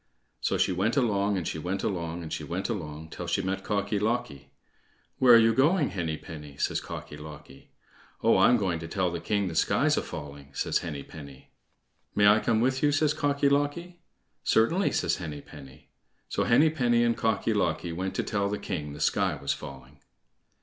So she went along, and she went along, and she went along till she met Cocky locky. "Where are you going, Henny penny?" says Cocky locky. "Oh! I'm going to tell the king the sky's a falling," says Henny penny. "May I come with you?" says Cocky locky. "Certainly," says Henny penny. So Henny penny and Cocky locky went to tell the king the sky was falling.